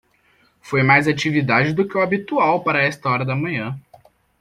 Foi mais atividade do que o habitual para esta hora da manhã.